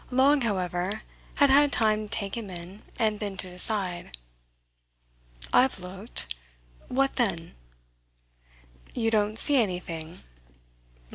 Long, however, had had time to take him in and then to decide. "I've looked. What then?" "You don't see anything?"